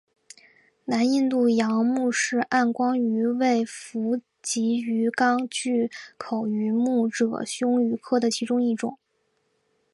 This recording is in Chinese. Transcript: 南印度洋穆氏暗光鱼为辐鳍鱼纲巨口鱼目褶胸鱼科的其中一种。